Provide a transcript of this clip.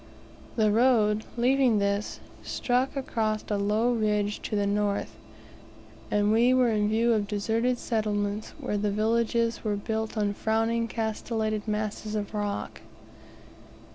The road, leaving this, struck across a low ridge to the north; and we were in view of deserted settlements where the villages were built on frowning castellated masses of rock.